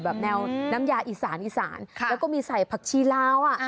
แนวน้ำยาอีสานอีสานแล้วก็มีใส่ผักชีลาว